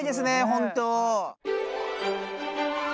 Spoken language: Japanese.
本当。